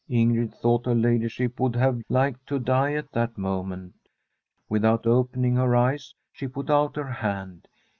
Ingrid thought her ladyship would have liked to die at that moment. Without open ing her eyes, she put out her hand.